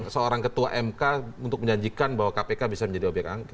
seorang ketua mk untuk menjanjikan bahwa kpk bisa menjadi obyek angket